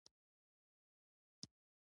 چې مړ یې کړي